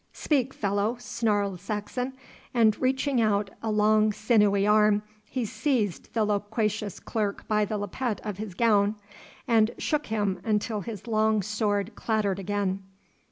'Speak, fellow,' snarled Saxon, and reaching out a long sinewy arm he seized the loquacious clerk by the lappet of his gown, and shook him until his long sword clattered again.